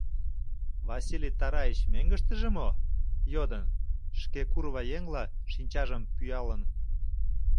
— Василий Тараич мӧҥгыштыжӧ мо? — йодын, шке курва еҥла шинчажым пӱялын.